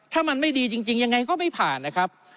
ถ้ามันไม่ดีจริงยังไงก็ไม่ผ่านนะครับ